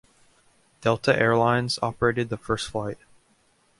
Delta Air Lines operated the first flight.